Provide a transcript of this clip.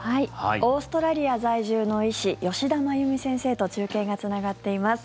オーストラリア在住の医師吉田まゆみ先生と中継がつながっています。